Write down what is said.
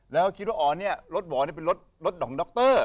แล้วคิดว่าอ๋อเนี่ยรถหว่อเป็นรถของด็อกเตอร์